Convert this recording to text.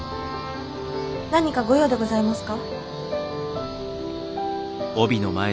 何かご用でございますか？